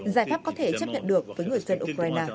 giải pháp có thể chấp nhận được với người dân ukraine